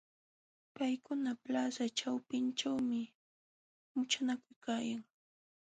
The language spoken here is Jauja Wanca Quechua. Paykuna plaza ćhawpinćhuumi muchanakuykan.